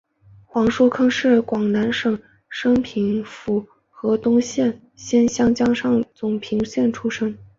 黄叔沆是广南省升平府河东县仙江上总盛平社出生。